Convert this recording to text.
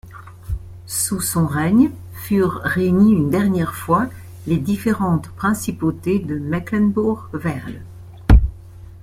Sous son règne furent réunies une dernière fois les différentes principautés de Mecklembourg-Werle.